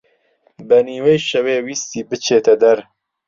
بە نیوەی شەوێ ویستی بچێتە دەر